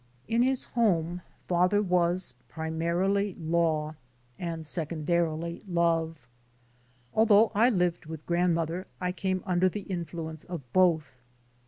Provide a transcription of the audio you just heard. In his home father was primarily law and sec ondarily love. Although I lived with grandmother I came under the influence of both.